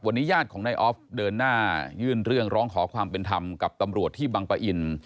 วันนี้ญาติของนายออฟเดินหน้ายื่นเรื่องร้องขอความเป็นธรรมกับตำรวจที่บังปะอิน